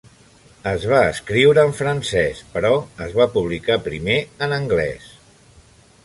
Es va escriure en francès, però es va publicar primer en anglès.